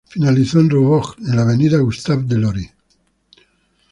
Finalizó en Roubaix, en la avenida Gustave-Delory.